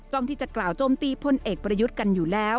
ที่จะกล่าวโจมตีพลเอกประยุทธ์กันอยู่แล้ว